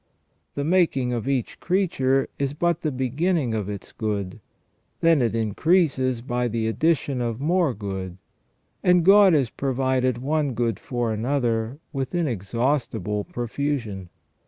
The making of each creature is but the beginning of its good, then it increases by the addition of more good, and God has provided one good for another with inexhaus tible profusion.